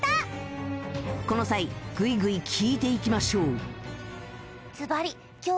この際グイグイ聞いていきましょう